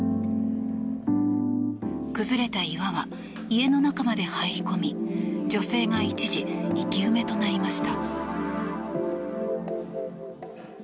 崩れた岩は家の中まで入り込み女性が一時、生き埋めとなりました。